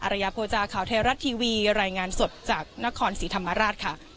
ระยะโภจาข่าวไทยรัฐทีวีรายงานสดจากนครศรีธรรมราชค่ะ